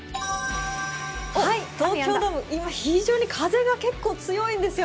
東京ドーム、今、非常に風が結構強いんですよ。